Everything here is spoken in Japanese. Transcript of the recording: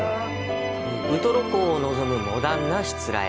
ウトロ港を望むモダンなしつらえ。